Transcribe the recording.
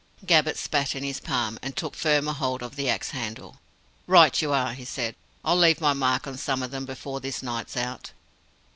Gabbett spat in his palm, and took firmer hold of the axe handle. "Right you are," he said. "I'll leave my mark on some of them before this night's out!"